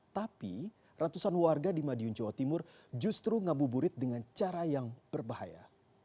tapi ratusan warga di madiun jawa timur justru ngabuburit dengan cara yang berbahaya